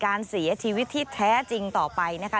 การเสียชีวิตที่แท้จริงต่อไปนะคะ